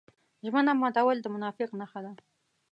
ژمنه ماتول د منافق نښه ده.